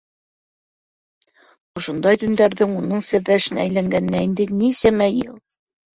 Ошондай төндәрҙең уның серҙәшенә әйләнгәненә инде нисәмә йыл.